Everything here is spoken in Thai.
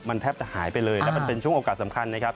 มันแทบจะหายไปเลยแล้วมันเป็นช่วงโอกาสสำคัญนะครับ